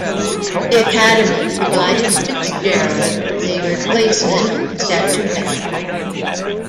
The Academy provided Fitzgerald with a replacement statuette.